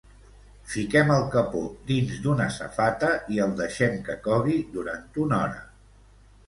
Fiquem el capó dins d'una safata i el deixem que cogui durant una hora.